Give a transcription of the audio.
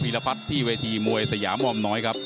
ปภีรภัทรที่เวทีมวยสยามอ่อมน้อยครับ